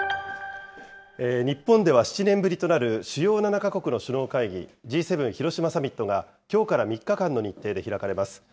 日本では７年ぶりとなる主要７か国の首脳会議、Ｇ７広島サミットがきょうから３日間の日程で開かれます。